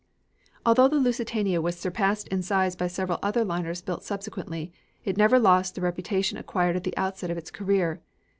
Although the Lusitania was surpassed in size by several other liners built subsequently, it never lost the reputation acquired at the outset of its career.